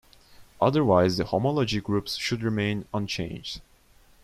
Otherwise the homology groups should remain unchanged.